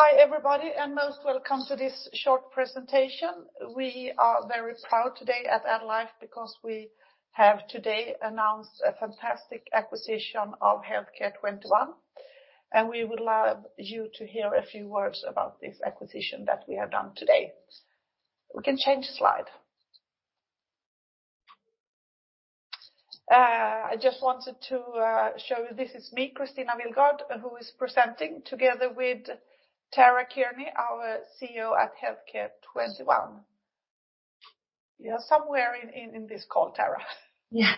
Hi, everybody, and most welcome to this short presentation. We are very proud today at AddLife because we have today announced a fantastic acquisition of Healthcare 21, and we would love you to hear a few words about this acquisition that we have done today. We can change slide. I just wanted to show you, this is me, Kristina Willgård, who is presenting together with Tara Kearney, our CEO at Healthcare 21. You are somewhere in this call, Tara. Yeah.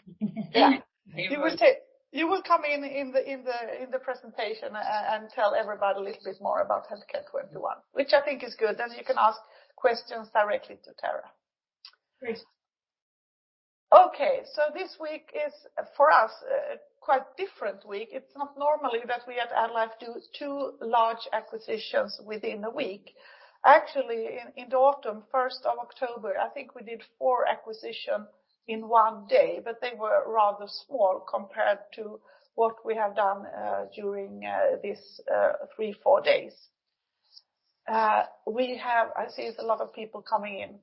You will come in the presentation and tell everybody a little bit more about Healthcare 21, which I think is good, and you can ask questions directly to Tara. Great. Okay, so this week is for us a quite different week. It's not normally that we at AddLife do two large acquisitions within a week. Actually, in the autumn, 1st of October, I think we did four acquisitions in one day, but they were rather small compared to what we have done during these three, four days. We have, I see a lot of people coming in.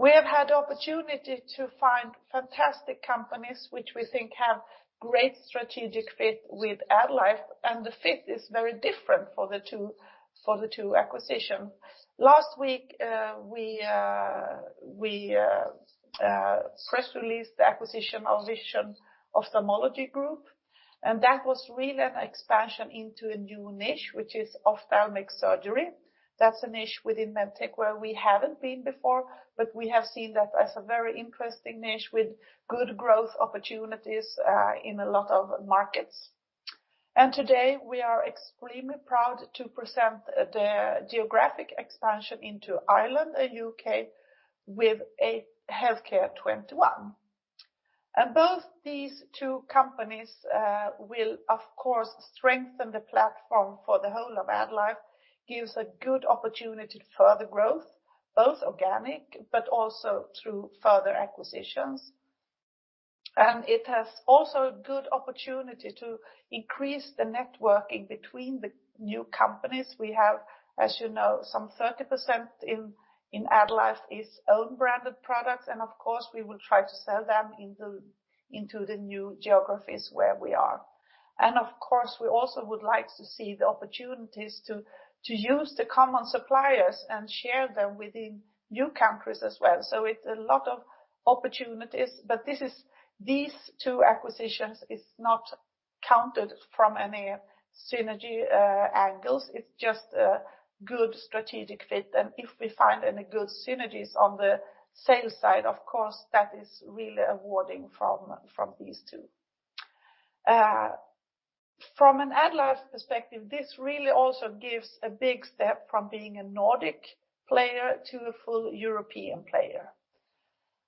We have had the opportunity to find fantastic companies which we think have great strategic fit with AddLife, and the fit is very different for the two acquisitions. Last week we press released the acquisition of Vision Ophthalmology Group, and that was really an expansion into a new niche, which is ophthalmic surgery. That's a niche within MedTech where we haven't been before, but we have seen that as a very interesting niche with good growth opportunities in a lot of markets. Today we are extremely proud to present the geographic expansion into Ireland and U.K. with Healthcare 21. Both these two companies will, of course, strengthen the platform for the whole of AddLife, give us a good opportunity for further growth, both organic but also through further acquisitions. It has also a good opportunity to increase the networking between the new companies. We have, as you know, some 30% in AddLife is own branded products, and of course we will try to sell them into the new geographies where we are. Of course we also would like to see the opportunities to use the common suppliers and share them within new countries as well. It's a lot of opportunities, but these two acquisitions are not counted from any synergy angles. It's just a good strategic fit, and if we find any good synergies on the sales side, of course that is really rewarding from these two. From an AddLife perspective, this really also gives a big step from being a Nordic player to a full European player.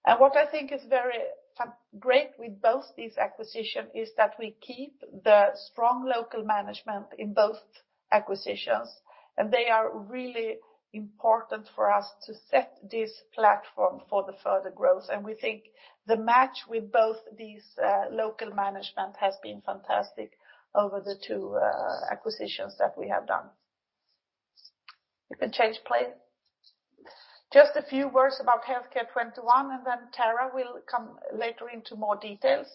And what I think is very great with both these acquisitions is that we keep the strong local management in both acquisitions, and they are really important for us to set this platform for the further growth. And we think the match with both these local management has been fantastic over the two acquisitions that we have done. You can change play. Just a few words about Healthcare 21, and then Tara will come later into more details.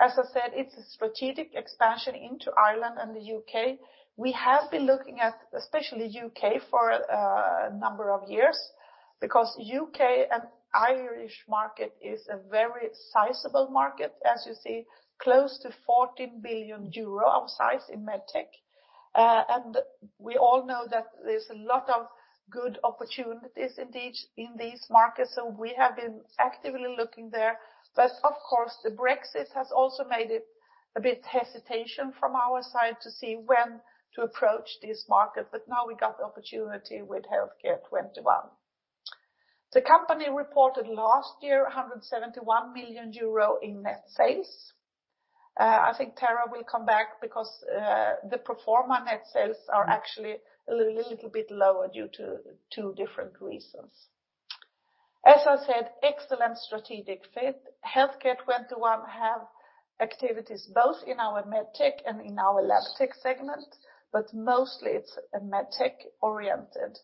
As I said, it's a strategic expansion into Ireland and the U.K. We have been looking at especially U.K. for a number of years because the U.K. and Irish market is a very sizable market, as you see, close to 14 billion euro of size in MedTech. And we all know that there's a lot of good opportunities in these markets, so we have been actively looking there. But of course the Brexit has also made it a bit hesitation from our side to see when to approach this market, but now we got the opportunity with Healthcare 21. The company reported last year 171 million euro in net sales. I think Tara will come back because the pro forma net sales are actually a little bit lower due to two different reasons. As I said, excellent strategic fit. Healthcare 21 has activities both in our MedTech and in our LabTech segment, but mostly it's MedTech oriented.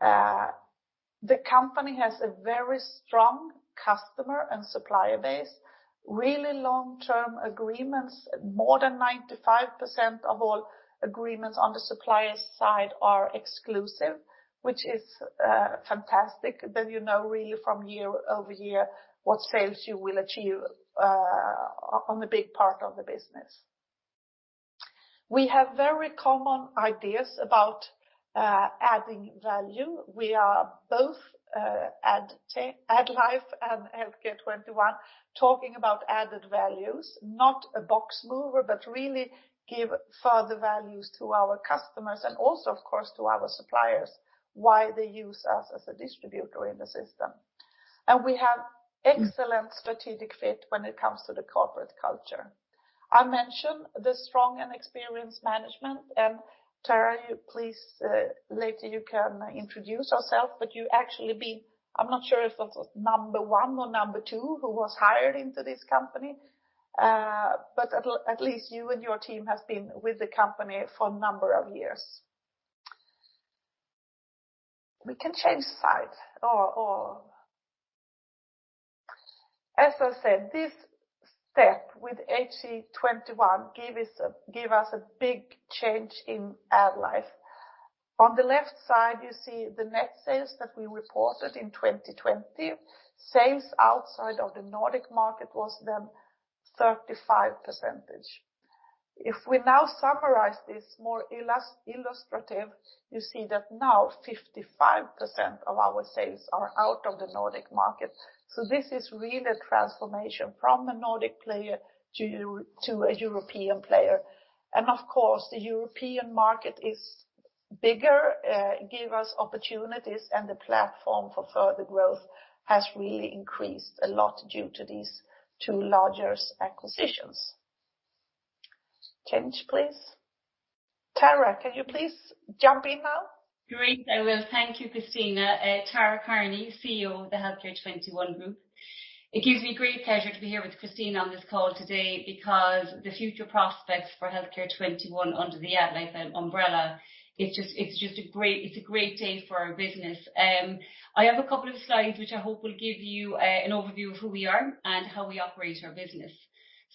The company has a very strong customer and supplier base, really long-term agreements. More than 95% of all agreements on the supplier side are exclusive, which is fantastic that you know really from year-over-year what sales you will achieve on a big part of the business. We have very common ideas about adding value. We are both AddLife and Healthcare 21 talking about added values, not a box mover, but really give further values to our customers and also, of course, to our suppliers why they use us as a distributor in the system, and we have excellent strategic fit when it comes to the corporate culture. I mentioned the strong and experienced management, and Tara, please later you can introduce yourself, but you actually been, I'm not sure if it was number one or number two who was hired into this company, but at least you and your team have been with the company for a number of years. We can change slide. As I said, this step with HC21 gives us a big change in AddLife. On the left side you see the net sales that we reported in 2020. Sales outside of the Nordic market was then 35%. If we now summarize this more illustrative, you see that now 55% of our sales are out of the Nordic market. So this is really a transformation from a Nordic player to a European player. Of course the European market is bigger, gives us opportunities, and the platform for further growth has really increased a lot due to these two larger acquisitions. Change please. Tara, can you please jump in now? Great, I will. Thank you, Kristina. Tara Kearney, CEO of the Healthcare 21 Group. It gives me great pleasure to be here with Kristina on this call today because the future prospects for Healthcare 21 under the AddLife umbrella, it's just a great day for our business. I have a couple of slides which I hope will give you an overview of who we are and how we operate our business.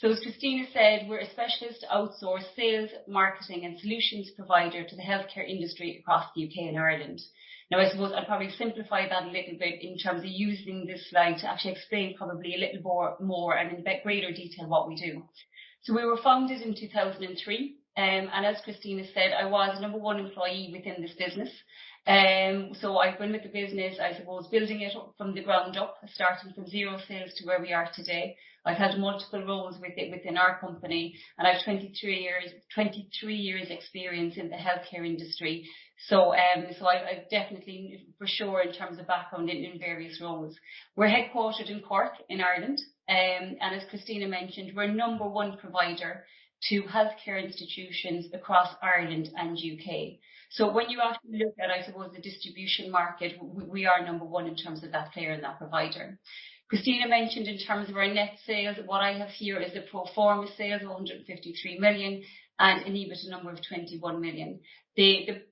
As Kristina said, we're a specialist outsource sales, marketing, and solutions provider to the healthcare industry across the U.K. and Ireland. Now I suppose I'll probably simplify that a little bit in terms of using this slide to actually explain probably a little more and in greater detail what we do. We were founded in 2003, and as Kristina said, I was a number one employee within this business. I've been with the business, I suppose, building it from the ground up, starting from zero sales to where we are today. I've had multiple roles with it within our company, and I have 23 years experience in the healthcare industry. I've definitely, for sure, in terms of background in various roles. We're headquartered in Cork in Ireland, and as Kristina mentioned, we're a number one provider to healthcare institutions across Ireland and U.K. When you actually look at, I suppose, the distribution market, we are number one in terms of that player and that provider. Kristina mentioned in terms of our net sales. What I have here is a pro forma sale of 153 million and an EBIT number of 21 million.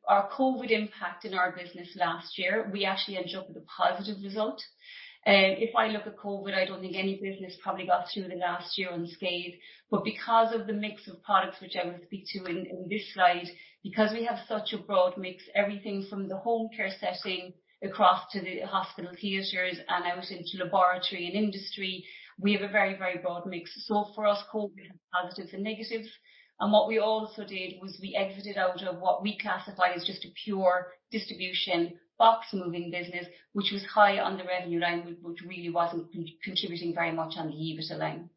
Our COVID impact in our business last year, we actually ended up with a positive result. If I look at COVID, I don't think any business probably got through the last year unscathed, but because of the mix of products which I will speak to in this slide, because we have such a broad mix, everything from the home care setting across to the hospital theaters and out into laboratory and industry, we have a very, very broad mix. So for us, COVID has positives and negatives. And what we also did was we exited out of what we classify as just a pure distribution box moving business, which was high on the revenue line, which really wasn't contributing very much on the EBIT line.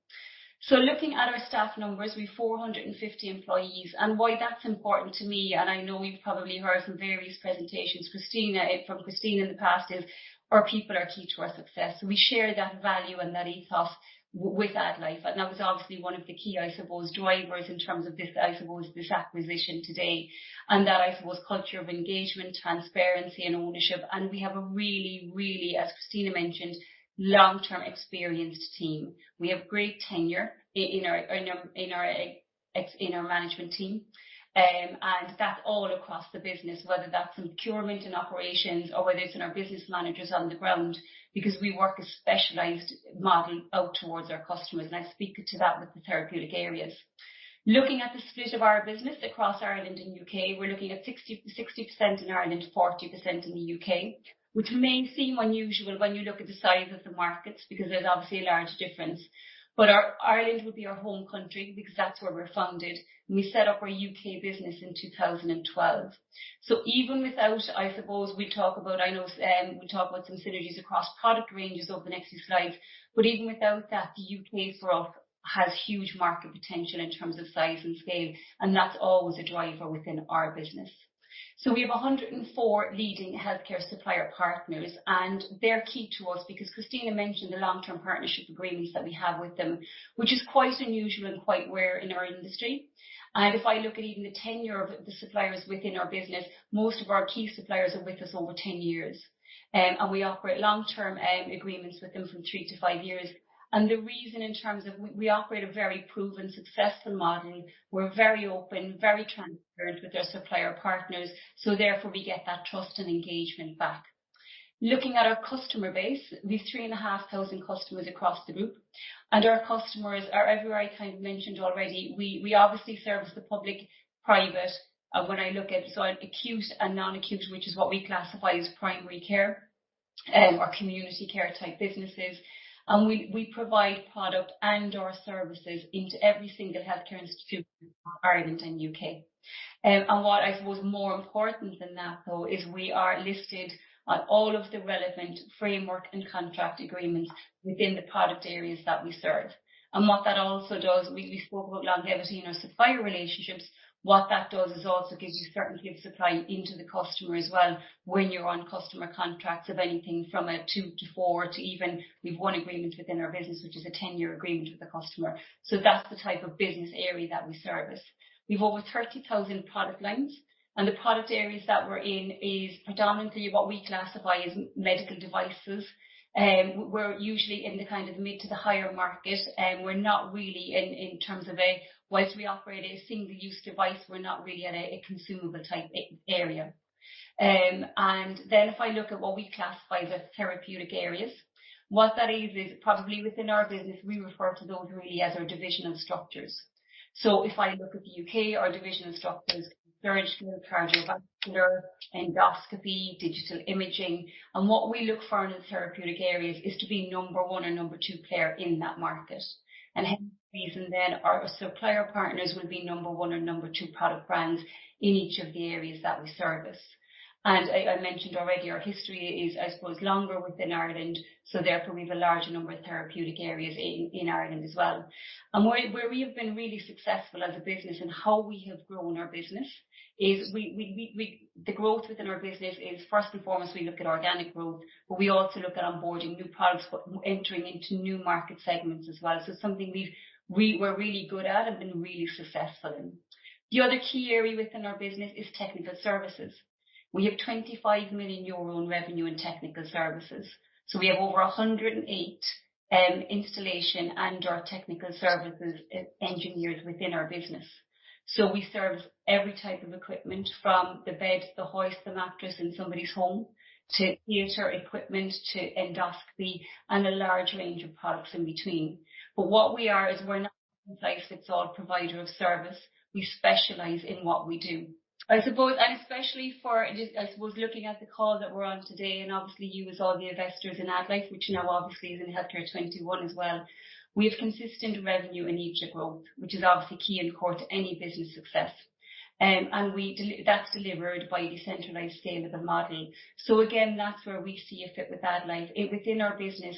So looking at our staff numbers, we have 450 employees, and why that's important to me, and I know you've probably heard from various presentations, Kristina, from Kristina in the past, is our people are key to our success. So we share that value and that ethos with AddLife, and that was obviously one of the key, I suppose, drivers in terms of this, I suppose, this acquisition today. And that, I suppose, culture of engagement, transparency, and ownership, and we have a really, really, as Kristina mentioned, long-term experienced team. We have great tenure in our management team, and that's all across the business, whether that's in procurement and operations or whether it's in our business managers on the ground, because we work a specialized model out towards our customers, and I speak to that with the therapeutic areas. Looking at the split of our business across Ireland and U.K., we're looking at 60% in Ireland, 40% in the U.K., which may seem unusual when you look at the size of the markets because there's obviously a large difference. Ireland will be our home country because that's where we're founded. We set up our U.K. business in 2012. Even without, I suppose, I know we talk about some synergies across product ranges over the next few slides, but even without that, the U.K. for us has huge market potential in terms of size and scale, and that's always a driver within our business. We have 104 leading healthcare supplier partners, and they're key to us because Kristina mentioned the long-term partnership agreements that we have with them, which is quite unusual and quite rare in our industry. If I look at even the tenure of the suppliers within our business, most of our key suppliers are with us over 10 years, and we operate long-term agreements with them from three to five years. The reason in terms of we operate a very proven successful model, we're very open, very transparent with our supplier partners, so therefore we get that trust and engagement back. Looking at our customer base, we have 3,500 customers across the group, and our customers are everywhere, I kind of mentioned already. We obviously service the public, private, and when I look at, so acute and non-acute, which is what we classify as primary care or community care type businesses, and we provide product and/or services into every single healthcare institution in Ireland and U.K.. What I suppose is more important than that, though, is we are listed on all of the relevant framework and contract agreements within the product areas that we serve. What that also does, we spoke about longevity in our supplier relationships. What that does is also gives you certainty of supply into the customer as well when you're on customer contracts of anything from a two to four to even we've one agreement within our business, which is a 10-year agreement with the customer. That's the type of business area that we service. We've over 30,000 product lines, and the product areas that we're in is predominantly what we classify as medical devices. We're usually in the kind of mid to the higher market, and we're not really in terms of a, once we operate a single-use device, we're not really at a consumable type area. If I look at what we classify as therapeutic areas, what that is, is probably within our business, we refer to those really as our divisional structures. So, if I look at the U.K., our divisional structures are very small: cardiovascular, endoscopy, digital imaging, and what we look for in the therapeutic areas is to be number one or number two player in that market. And the reason then our supplier partners will be number one or number two product brands in each of the areas that we service. And I mentioned already our history is, I suppose, longer within Ireland, so therefore we have a larger number of therapeutic areas in Ireland as well. And where we have been really successful as a business and how we have grown our business is the growth within our business is first and foremost we look at organic growth, but we also look at onboarding new products, entering into new market segments as well. So it's something we're really good at and been really successful in. The other key area within our business is technical services. We have 25 million euro in revenue in technical services. So we have over 108 installation and/or technical services engineers within our business. So we service every type of equipment from the bed, the hoist, the mattress in somebody's home to theater equipment to endoscopy and a large range of products in between. But what we are is we're not a size-fits-all provider of service. We specialize in what we do. I suppose, and especially for, I suppose, looking at the call that we're on today and obviously you as all the investors in AddLife, which now obviously is in Healthcare 21 as well, we have consistent revenue in each growth, which is obviously key and core to any business success. And that's delivered by a decentralized scalable model. So again, that's where we see a fit with AddLife. Within our business,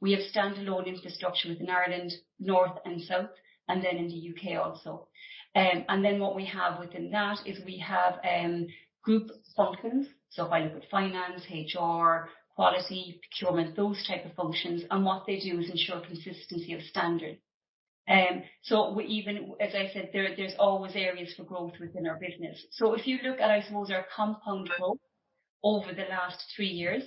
we have standalone infrastructure within Ireland, North and South, and then in the U.K. also. And then what we have within that is we have group functions. So if I look at finance, HR, quality, procurement, those type of functions, and what they do is ensure consistency of standard. So even, as I said, there's always areas for growth within our business. So if you look at, I suppose, our compound growth over the last three years,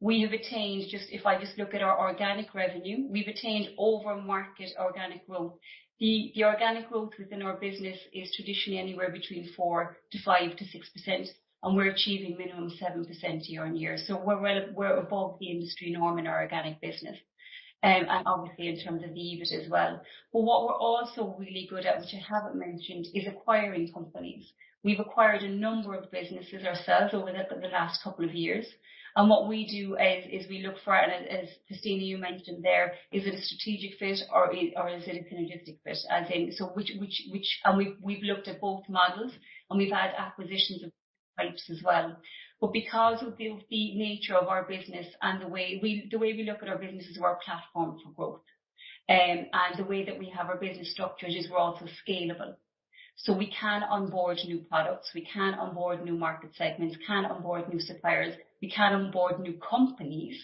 we have attained, just if I just look at our organic revenue, we've attained over-market organic growth. The organic growth within our business is traditionally anywhere between 4%-5%-6%, and we're achieving minimum 7% year on year. So we're above the industry norm in our organic business, and obviously in terms of the EBIT as well. But what we're also really good at, which I haven't mentioned, is acquiring companies. We've acquired a number of businesses ourselves over the last couple of years. And what we do is we look for, and as Kristina you mentioned there, is it a strategic fit or is it a synergistic fit? And we've looked at both models, and we've had acquisitions of types as well. But because of the nature of our business and the way we look at our business as our platform for growth and the way that we have our business structured is we're also scalable. So we can onboard new products, we can onboard new market segments, can onboard new suppliers, we can onboard new companies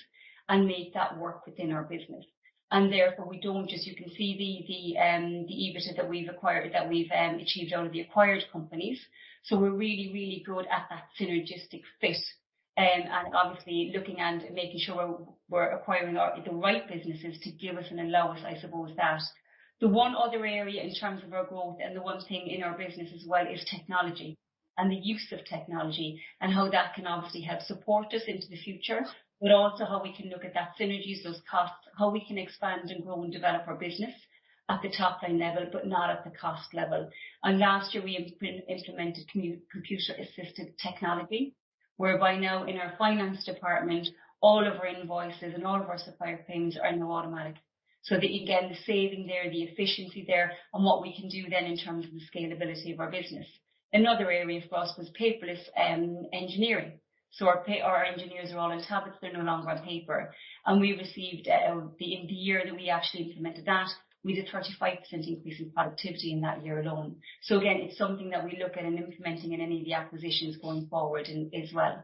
and make that work within our business. And therefore we don't just, you can see the EBIT that we've acquired that we've achieved out of the acquired companies. So we're really, really good at that synergistic fit and obviously looking and making sure we're acquiring the right businesses to give us and allow us, I suppose, that. The one other area in terms of our growth and the one thing in our business as well is technology and the use of technology and how that can obviously help support us into the future, but also how we can look at that synergies, those costs, how we can expand and grow and develop our business at the top line level, but not at the cost level. And last year we implemented computer-assisted technology whereby now in our finance department, all of our invoices and all of our supplier things are now automatic. So again, the saving there, the efficiency there, and what we can do then in terms of the scalability of our business. Another area for us was paperless engineering. So our engineers are all on tablets, they're no longer on paper. And we received, in the year that we actually implemented that, we did a 35% increase in productivity in that year alone. So again, it's something that we look at and implementing in any of the acquisitions going forward as well.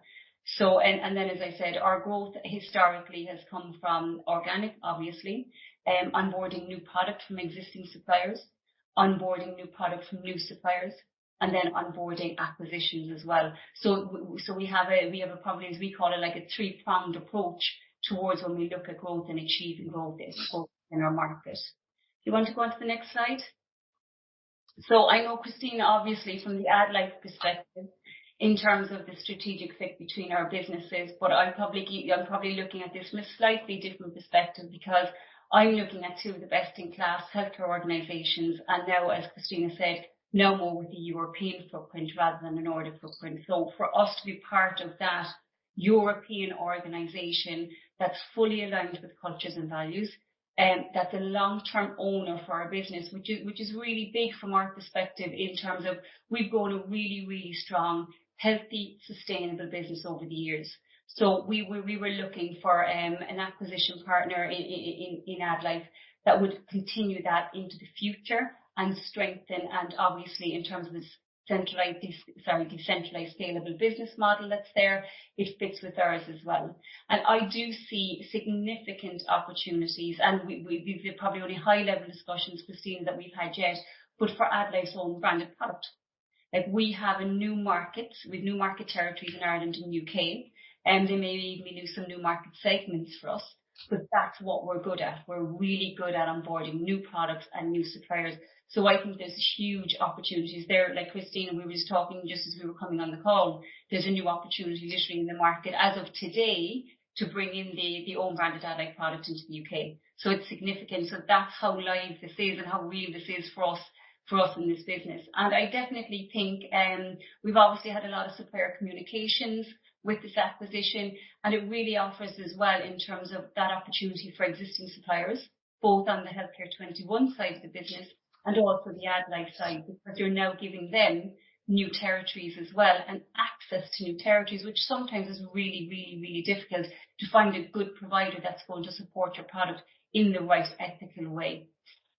And then, as I said, our growth historically has come from organic, obviously, onboarding new product from existing suppliers, onboarding new product from new suppliers, and then onboarding acquisitions as well. So we have a, probably, as we call it, like a three-pronged approach towards when we look at growth and achieving growth in our market. Do you want to go on to the next slide? I know Kristina, obviously from the AddLife perspective in terms of the strategic fit between our businesses, but I'm probably looking at this from a slightly different perspective because I'm looking at two of the best-in-class healthcare organizations and now, as Kristina said, no more with the European footprint rather than a Nordic footprint. For us to be part of that European organization that's fully aligned with cultures and values, that's a long-term owner for our business, which is really big from our perspective in terms of we've grown a really, really strong, healthy, sustainable business over the years. We were looking for an acquisition partner in AddLife that would continue that into the future and strengthen, and obviously in terms of this decentralized scalable business model that's there, it fits with ours as well. And I do see significant opportunities, and they're probably only high-level discussions, Kristina, that we've had yet, but for AddLife's own branded product. We have a new market with new market territories in Ireland and U.K., and they may even be new some new market segments for us, but that's what we're good at. We're really good at onboarding new products and new suppliers. So I think there's huge opportunities there. Like Kristina, we were just talking just as we were coming on the call, there's a new opportunity literally in the market as of today to bring in the own branded AddLife products into the U.K. So it's significant. So that's how live this is and how real this is for us in this business. And I definitely think we've obviously had a lot of supplier communications with this acquisition, and it really offers as well in terms of that opportunity for existing suppliers, both on the Healthcare 21 side of the business and also the AddLife side because you're now giving them new territories as well and access to new territories, which sometimes is really, really, really difficult to find a good provider that's going to support your product in the right ethical way.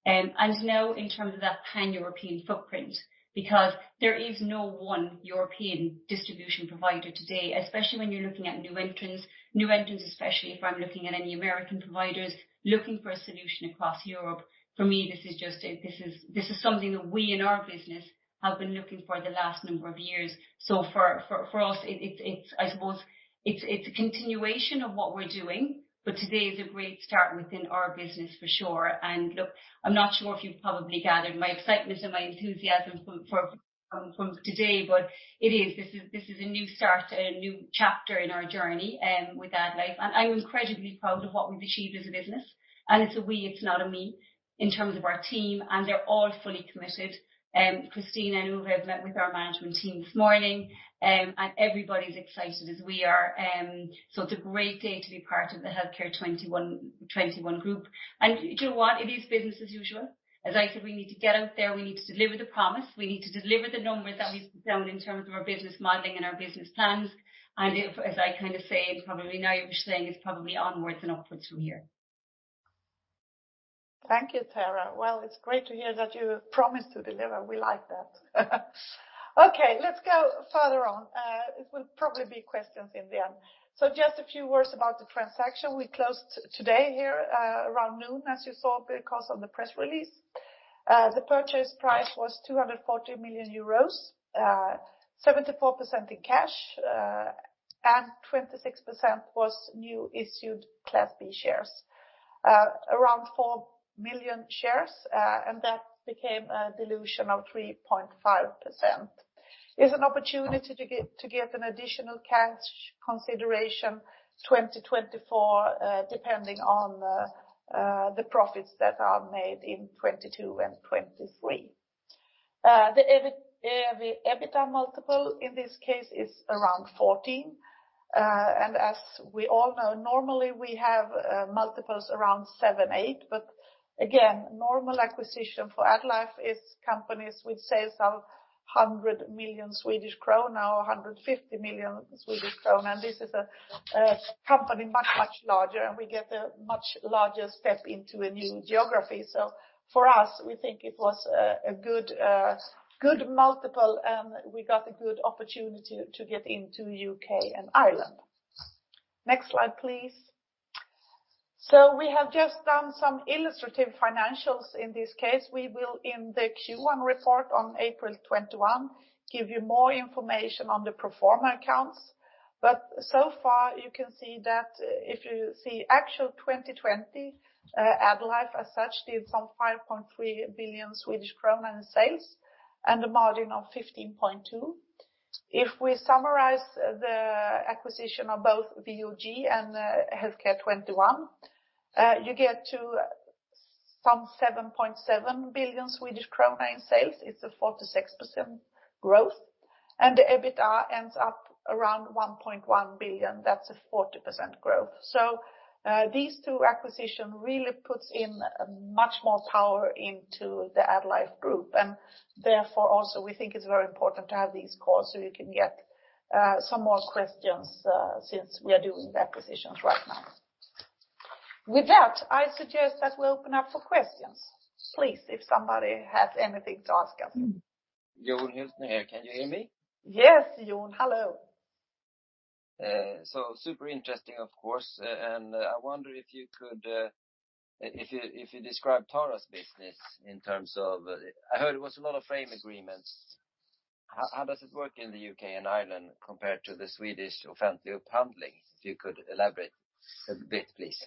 And now in terms of that pan-European footprint, because there is no one European distribution provider today, especially when you're looking at new entrants, new entrants, especially if I'm looking at any American providers looking for a solution across Europe, for me, this is just, this is something that we in our business have been looking for the last number of years. So for us, I suppose it's a continuation of what we're doing, but today is a great start within our business for sure. And look, I'm not sure if you've probably gathered my excitement and my enthusiasm from today, but it is. This is a new start, a new chapter in our journey with AddLife. And I'm incredibly proud of what we've achieved as a business, and it's a we, it's not a me in terms of our team, and they're all fully committed. Kristina, I know I've met with our management team this morning, and everybody's excited as we are. So it's a great day to be part of the Healthcare 21 Group. And do you know what? It is business as usual. As I said, we need to get out there, we need to deliver the promise, we need to deliver the numbers that we've put down in terms of our business modeling and our business plans, and as I kind of say, and probably now you're saying it's probably onwards and upwards from here. Thank you, Tara. Well, it's great to hear that you promised to deliver. We like that. Okay, let's go further on. It will probably be questions in the end, so just a few words about the transaction. We closed today here around noon, as you saw, because of the press release. The purchase price was 240 million euros, 74% in cash, and 26% was newly issued Class B shares, around four million shares, and that became a dilution of 3.5%. It's an opportunity to get an additional cash consideration 2024, depending on the profits that are made in 2022 and 2023. The EBITDA multiple in this case is around 14, and as we all know, normally we have multiples around 7, 8, but again, normal acquisition for AddLife is companies with sales of 100 million Swedish krona, 150 million Swedish krona. And this is a company much, much larger, and we get a much larger step into a new geography, so for us, we think it was a good multiple, and we got a good opportunity to get into the U.K. and Ireland. Next slide, please. So we have just done some illustrative financials in this case. We will, in the Q1 report on April 2021, give you more information on the pro forma accounts. So far, you can see that if you see actual 2020, AddLife as such did some 5.3 billion Swedish crown in sales and a margin of 15.2%. If we summarize the acquisition of both VOG and Healthcare 21, you get to some 7.7 billion Swedish krona in sales. It's a 46% growth. And the EBITDA ends up around 1.1 billion. That's a 40% growth. So these two acquisitions really put in much more power into the AddLife group. And therefore also, we think it's very important to have these calls so you can get some more questions since we are doing the acquisitions right now. With that, I suggest that we open up for questions. Please, if somebody has anything to ask us. Jon Hyltner here. Can you hear me? Yes, Jon. Hello. So super interesting, of course. And I wonder if you could, if you describe Tara's business in terms of, I heard it was a lot of framework agreements. How does it work in the U.K. and Ireland compared to the Swedish procurement handling? If you could elaborate a bit, please.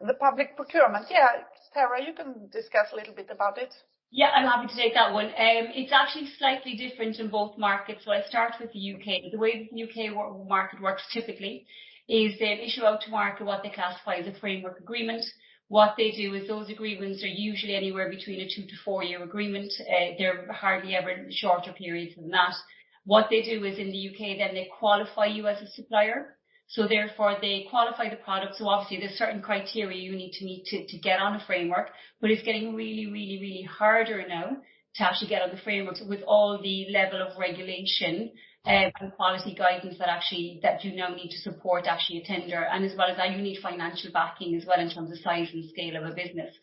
The public procurement. Yeah, Tara, you can discuss a little bit about it. Yeah, I'm happy to take that one. It's actually slightly different in both markets. So I start with the U.K. The way the U.K. market works typically is they issue out to market what they classify as a framework agreement. What they do is those agreements are usually anywhere between a two- to four-year agreement. They're hardly ever in shorter periods than that. What they do is in the U.K., then they qualify you as a supplier. So therefore, they qualify the product. So obviously, there's certain criteria you need to meet to get on a framework, but it's getting really, really, really harder now to actually get on the frameworks with all the level of regulation and quality guidance that actually you now need to support actually a tender. As well as that, you need financial backing as well in terms of size and scale of a business.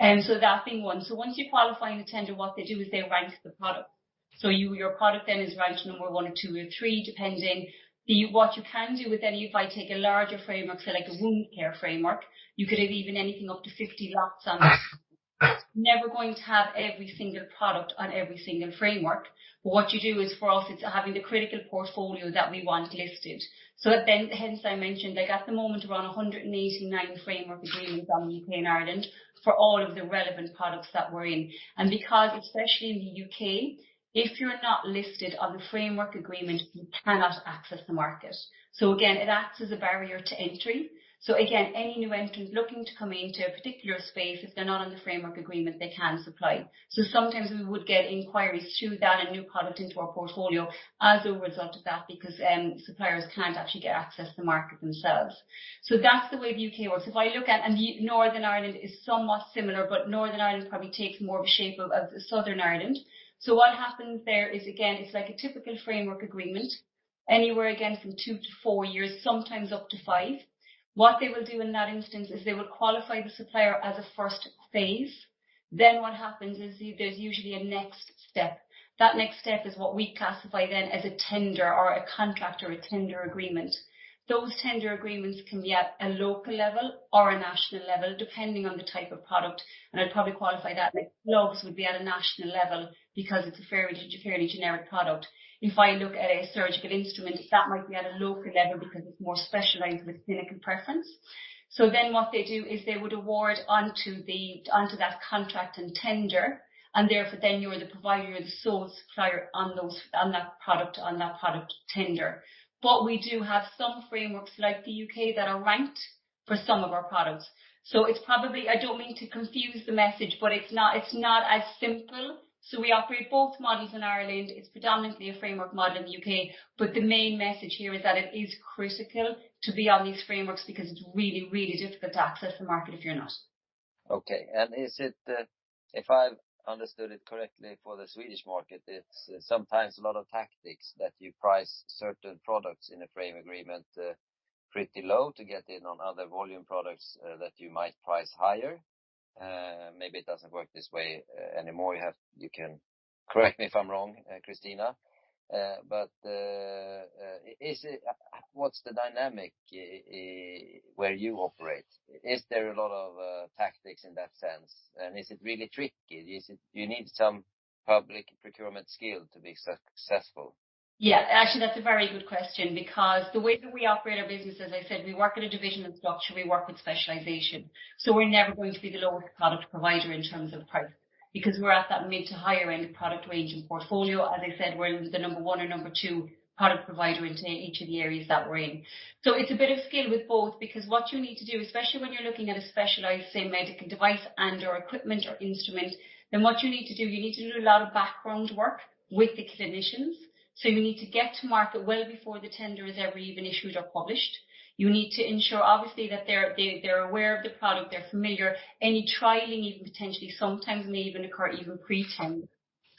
That being one. Once you qualify a tender, what they do is they rank the product, so your product then is ranked number one or two or three, depending what you can do with any if I take a larger framework, say like a wound care framework, you could have even anything up to 50 lots on that. Never going to have every single product on every single framework. But what you do is for us, it's having the critical portfolio that we want listed. Then hence I mentioned like at the moment around 189 framework agreements in the U.K. and Ireland for all of the relevant products that we're in. Because especially in the U.K., if you're not listed on the framework agreement, you cannot access the market. Again, it acts as a barrier to entry. Again, any new entrant looking to come into a particular space, if they're not on the framework agreement, they can't supply. Sometimes we would get inquiries through that and new products into our portfolio as a result of that because suppliers can't actually get access to the market themselves. That's the way the U.K. works. If I look at, and Northern Ireland is somewhat similar, but Northern Ireland probably takes more of a shape of Southern Ireland. What happens there is again, it's like a typical framework agreement anywhere again from two to four years, sometimes up to five. What they will do in that instance is they will qualify the supplier as a first phase. Then what happens is there's usually a next step. That next step is what we classify then as a tender or a contract or a tender agreement. Those tender agreements can be at a local level or a national level, depending on the type of product. And I'd probably qualify that like gloves would be at a national level because it's a fairly generic product. If I look at a surgical instrument, that might be at a local level because it's more specialized with clinical preference. So then what they do is they would award onto that contract and tender, and therefore then you're the provider, you're the sole supplier on that product tender. But we do have some frameworks like the U.K. that are ranked for some of our products. So it's probably, I don't mean to confuse the message, but it's not as simple. We operate both models in Ireland. It's predominantly a framework model in the U.K., but the main message here is that it is critical to be on these frameworks because it's really, really difficult to access the market if you're not. Okay. Is it, if I've understood it correctly for the Swedish market, sometimes a lot of tactics that you price certain products in a framework agreement pretty low to get in on other volume products that you might price higher? Maybe it doesn't work this way anymore. You can correct me if I'm wrong, Kristina. But what's the dynamic where you operate? Is there a lot of tactics in that sense? And is it really tricky? Do you need some public procurement skill to be successful? Yeah, actually that's a very good question because the way that we operate our business, as I said, we work with a divisional structure. We work with specialization. So we're never going to be the lowest product provider in terms of price because we're at that mid to higher end product range and portfolio. As I said, we're the number one or number two product provider into each of the areas that we're in. So it's a bit of skill with both because what you need to do, especially when you're looking at a specialized, say, medical device and/or equipment or instrument, then what you need to do, you need to do a lot of background work with the clinicians. So you need to get to market well before the tender is ever even issued or published. You need to ensure, obviously, that they're aware of the product, they're familiar. Any trialing even potentially sometimes may even occur even pre-tender. So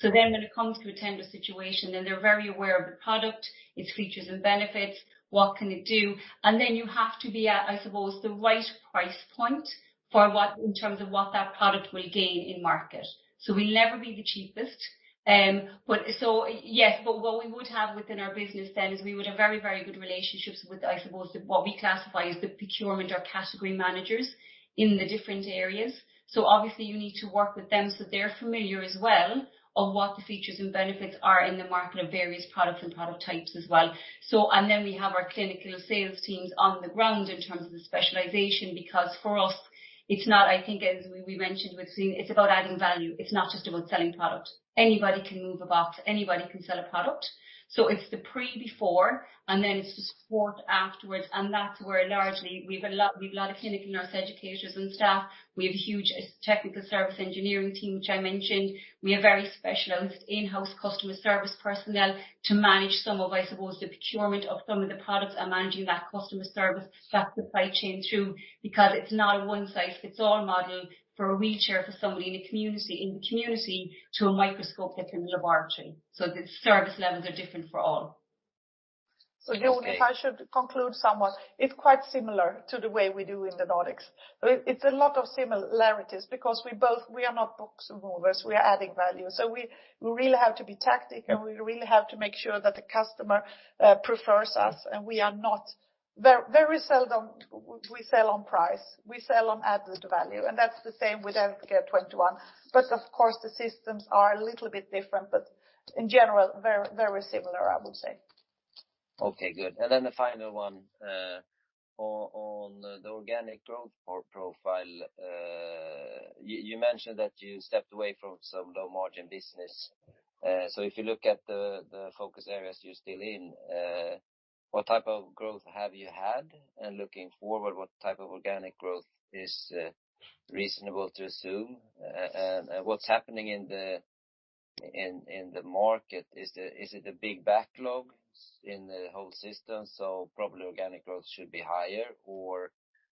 then when it comes to a tender situation, then they're very aware of the product, its features and benefits, what can it do. And then you have to be, I suppose, the right price point for what in terms of what that product will gain in market. So we'll never be the cheapest. But so yes, but what we would have within our business then is we would have very, very good relationships with, I suppose, what we classify as the procurement or category managers in the different areas. So obviously, you need to work with them so they're familiar as well of what the features and benefits are in the market of various products and product types as well. So and then we have our clinical sales teams on the ground in terms of the specialization because for us, it's not, I think, as we mentioned with Kristina, it's about adding value. It's not just about selling product. Anybody can move a box. Anybody can sell a product. So it's the pre-before and then it's the support afterwards. And that's where largely we have a lot of clinical nurse educators and staff. We have a huge technical service engineering team, which I mentioned. We have very specialized in-house customer service personnel to manage some of, I suppose, the procurement of some of the products and managing that customer service that supply chain through because it's not a one-size-fits-all model for a wheelchair for somebody in the community to a microscope that's in the laboratory. So the service levels are different for all. So Jon, if I should conclude somewhat, it's quite similar to the way we do in the Nordics. It's a lot of similarities because we are not box movers. We are adding value. So we really have to be tactical. We really have to make sure that the customer prefers us. And we are not very seldom we sell on price. We sell on added value. And that's the same with Healthcare 21. But of course, the systems are a little bit different, but in general, very similar, I would say. Okay, good. And then the final one on the organic growth profile, you mentioned that you stepped away from some low-margin business. So if you look at the focus areas you're still in, what type of growth have you had? And looking forward, what type of organic growth is reasonable to assume? And what's happening in the market? Is it a big backlog in the whole system? So probably organic growth should be higher, or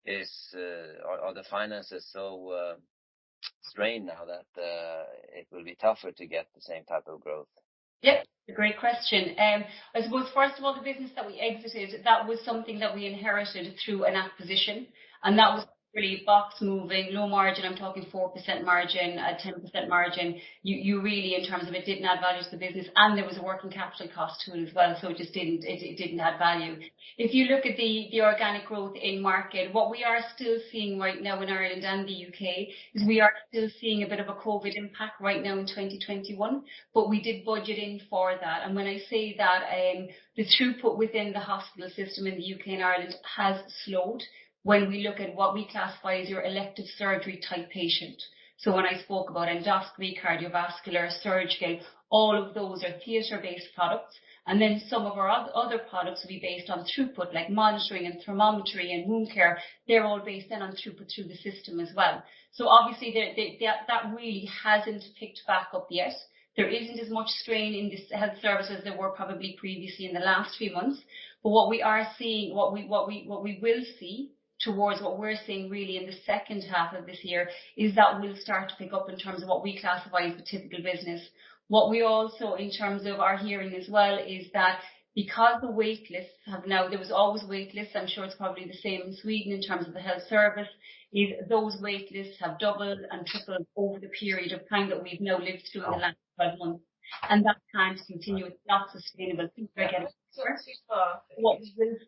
are the finances so strained now that it will be tougher to get the same type of growth? Yep. Great question. I suppose, first of all, the business that we exited, that was something that we inherited through an acquisition, and that was really box moving, low margin. I'm talking 4% margin, 10% margin. You really, in terms of it didn't add value to the business, and there was a working capital cost to it as well, so it didn't add value. If you look at the organic growth in market, what we are still seeing right now in Ireland and the U.K. is we are still seeing a bit of a COVID impact right now in 2021, but we did budget in for that, and when I say that, the throughput within the hospital system in the U.K. and Ireland has slowed when we look at what we classify as your elective surgery type patient. So when I spoke about endoscopy, cardiovascular, surgical, all of those are theater-based products. And then some of our other products will be based on throughput, like monitoring and thermometry and wound care. They're all based then on throughput through the system as well. So obviously, that really hasn't picked back up yet. There isn't as much strain in this health service as there were probably previously in the last few months. But what we are seeing, what we will see towards what we're seeing really in the second half of this year is that we'll start to pick up in terms of what we classify as the typical business. What we're also hearing, in terms of our hearing as well, is that because the waitlists have now, there was always waitlists. I'm sure it's probably the same in Sweden in terms of the health service, as those waitlists have doubled and tripled over the period of time that we've now lived through in the last 12 months. That's time to continue. It's not sustainable. Thank you again. So we'll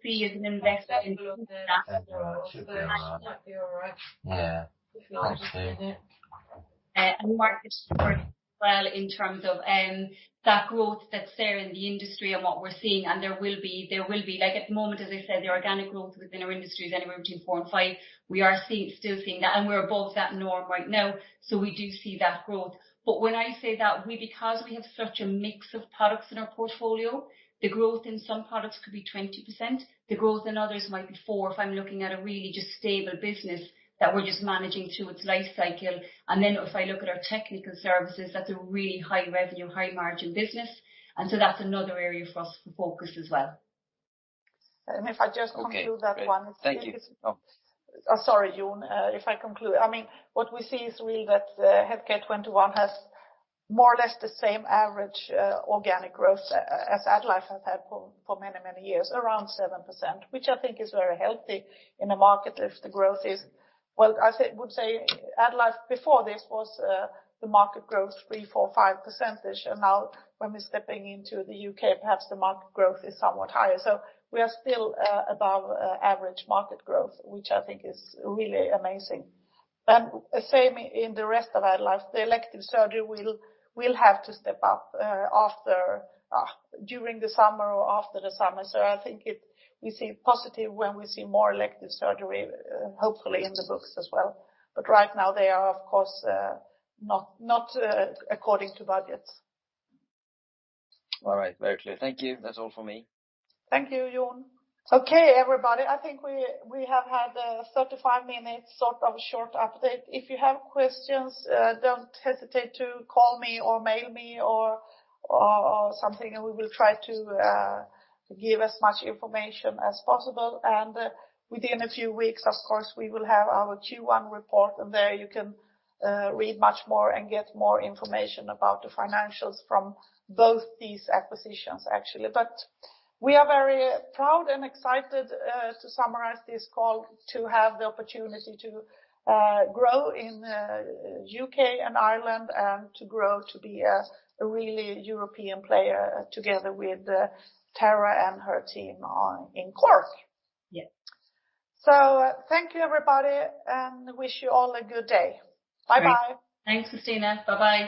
see as an investment in the next growth. Yeah. And market support as well in terms of that growth that's there in the industry and what we're seeing. And there will be, like at the moment, as I said, the organic growth within our industry is anywhere between four and five. We are still seeing that, and we're above that norm right now. So we do see that growth. But when I say that, because we have such a mix of products in our portfolio, the growth in some products could be 20%. The growth in others might be four if I'm looking at a really just stable business that we're just managing through its life cycle. And then if I look at our technical services, that's a really high revenue, high margin business. And so that's another area for us to focus as well. And if I just conclude that one. Thank you. Sorry, Jon. If I conclude, I mean, what we see is really that Healthcare 21 has more or less the same average organic growth as AddLife has had for many, many years, around 7%, which I think is very healthy in a market if the growth is. Well, I would say AddLife before this was the market growth 3%-5%. And now when we're stepping into the U.K., perhaps the market growth is somewhat higher. So we are still above average market growth, which I think is really amazing. And same in the rest of AddLife. The elective surgery will have to step up during the summer or after the summer. So I think we see positive when we see more elective surgery, hopefully in the books as well. But right now, they are, of course, not according to budgets. All right. Very clear. Thank you. That's all for me. Thank you, Jon. Okay, everybody. I think we have had a 35-minute sort of short update. If you have questions, don't hesitate to call me or mail me or something, and we will try to give as much information as possible, and within a few weeks, of course, we will have our Q1 report, and there you can read much more and get more information about the financials from both these acquisitions, actually, but we are very proud and excited to summarize this call, to have the opportunity to grow in U.K. and Ireland, and to grow to be a really European player together with Tara and her team in Cork, so thank you, everybody, and wish you all a good day. Bye-bye. Thanks, Kristina. Bye-bye.